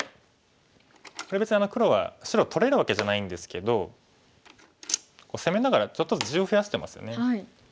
これ別に黒は白取れるわけじゃないんですけど攻めながらちょっとずつ地を増やしてますよね。